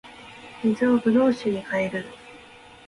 水を葡萄酒に変える